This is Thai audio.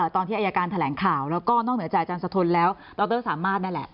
ตอนที่อายการแถลงข่าวแล้วก็นอกเหนือจากอาจารย์สะทนแล้วดรสามารถนั่นแหละ